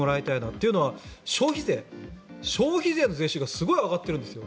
というのは、消費税の税収がすごい上がってるんですよ。